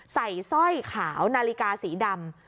สร้อยขาวนาฬิกาสีดำ